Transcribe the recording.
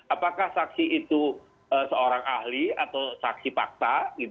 apakah saksi itu seorang ahli atau saksi fakta